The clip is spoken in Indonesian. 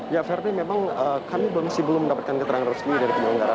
ya verdi memang kami belum masih mendapatkan keterangan resmi dari penyelenggara